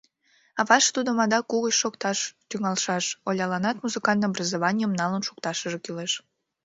Авашт тудым адак угыч шокташ тӱҥалшаш, Оляланат музыкальный образованийым налын шукташыже кӱлеш.